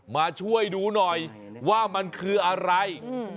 มาช่วยดูหน่อยว่ามันคืออะไร